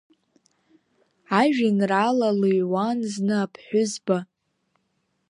Ажәеинраала лыҩуан зны аԥҳәызба.